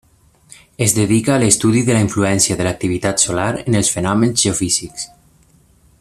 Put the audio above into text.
Es dedica a l'estudi de la influència de l'activitat solar en els fenòmens geofísics.